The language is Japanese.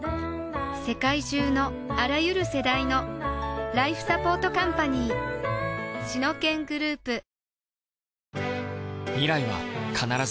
世界中のあらゆる世代のライフサポートカンパニーシノケングループ